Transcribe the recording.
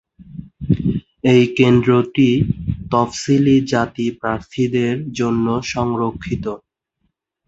এই কেন্দ্রটি তফসিলি জাতি প্রার্থীদের জন্য সংরক্ষিত।